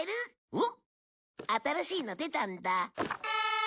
おっ新しいの出たんだ。